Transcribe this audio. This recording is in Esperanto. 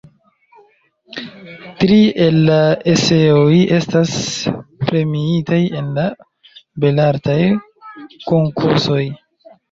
Tri el la eseoj estas premiitaj en la Belartaj Konkursoj.